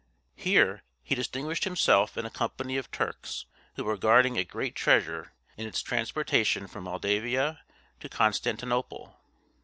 Here he distinguished himself in a company of Turks who were guarding a great treasure in its transportation from Moldavia to Constantinople.